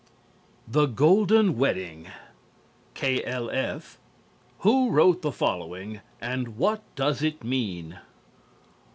_" "THE GOLDEN WEDDING" K.L.F. Who wrote the following and what does it mean?